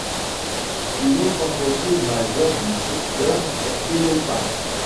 Une autre entreprise majeure du secteur est Elopak.